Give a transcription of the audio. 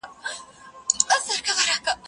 زه مخکي زده کړه کړي وو